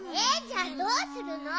じゃどうするの？